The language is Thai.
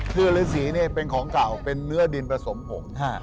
คือฤษีเนี่ยเป็นของเก่าเป็นเนื้อดินผสมผง